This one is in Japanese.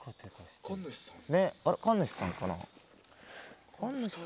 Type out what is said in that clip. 神主さんかな。